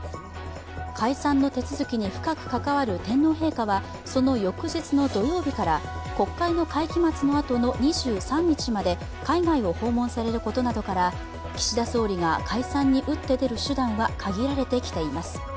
解散に手続きに深く関わる天皇陛下はその翌日の土曜日から国会の会期末のあとの２３日まで海外を訪問されることなどから岸田総理が解散に打って出る手段は限られてきています。